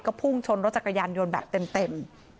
ก็พุ่งชนรถจักรยานยนต์แบบเต็ม